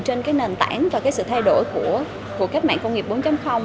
trên nền tảng và sự thay đổi của các mạng công nghiệp bốn